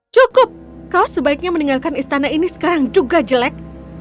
cukup kau sebaiknya meninggalkan istana ini sekarang juga jelek